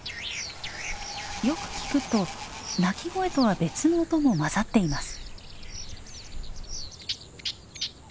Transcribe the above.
よく聞くと鳴き声とは別の音も混ざっています。